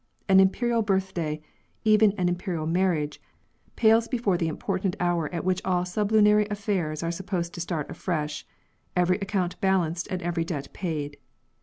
An Imperial birth day, even an Imperial marriage, pales before the im portant hour at which all sublunary afi*airs are sup posed to start afresh, every account balanced and every debt paid.